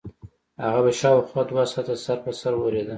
هغه به شاوخوا دوه ساعته سر په سر اورېده.